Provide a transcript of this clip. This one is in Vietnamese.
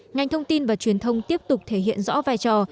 ngành thông tin và truyền thông tiếp tục thể hiện rõ vai trò